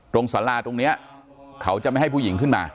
สาราตรงนี้เขาจะไม่ให้ผู้หญิงขึ้นมา